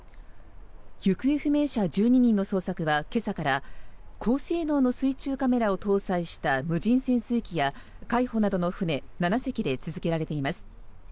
行方不明者１２人の捜索は今朝から高性能の水中カメラを搭載した無人潜水機や海保などの船７隻で続けられています。